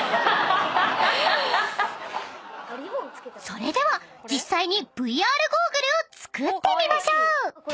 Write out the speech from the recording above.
［それでは実際にＶＲゴーグルを作ってみましょう］